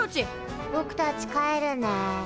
ぼくたち帰るね。